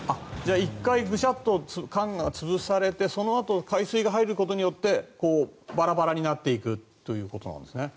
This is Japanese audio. １回グシャッと缶が潰されそのあと海水が入ることによってバラバラになっていくということなんですね。